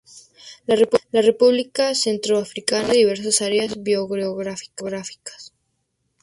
La república Centroafricana comprende diversas áreas biogeográficas.